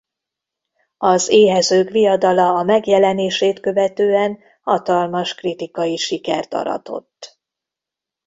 Az éhezők viadala a megjelenését követően hatalmas kritikai sikert aratott.